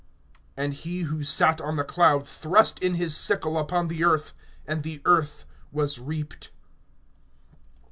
(16)And he who sat on the cloud thrust in his sickle upon the earth; and the earth was reaped.